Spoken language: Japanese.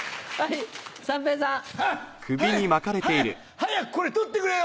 早くこれ取ってくれよ！